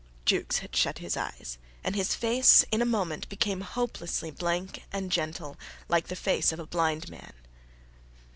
Jukes had shut his eyes, and his face in a moment became hopelessly blank and gentle, like the face of a blind man.